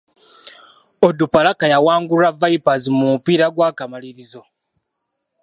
Onduparaka yawangulwa Vipers mu mupiira gw'akamalirizo.